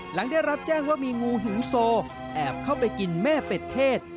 หลังได้รับแจ้งว่ามีงูหิวโซแอบเข้าไปกินแม่เป็ดเทศ